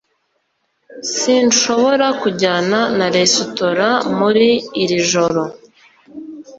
Sinshobora kujyana na resitora muri iri joro